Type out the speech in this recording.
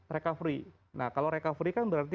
recovery nah kalau recovery kan berarti